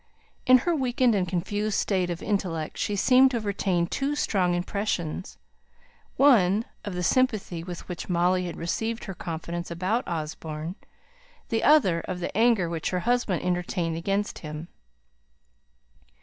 In her weakened and confused state of intellect she seemed to have retained two strong impressions one, of the sympathy with which Molly had received her confidence about Osborne; the other, of the anger which her husband entertained against him.